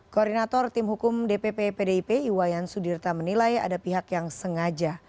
koordinator tim hukum dpp pdip iwayan sudirta menilai ada pihak yang sengaja